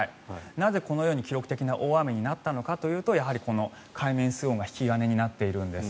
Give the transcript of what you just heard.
なぜこのように記録的な大雨になったかというとやはりこの海面水温が引き金になっているんです。